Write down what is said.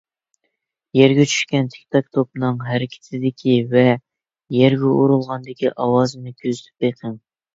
يەرگە چۈشكەن تىكتاك توپنىڭ، ھەرىكىتىدىكى ۋە يەرگە ئۇرۇلغاندىكى ئاۋازىنى كۆزىتىپ بېقىڭ.